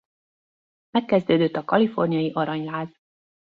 Megkezdődött a kaliforniai aranyláz.